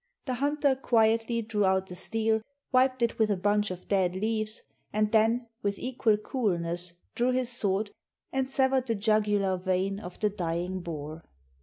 The hunter quietly drew out the steel, wiped it with a bunch of dead leaves, and then, with equal coolness, drew his sword and severed the jugular vein of the dying boar.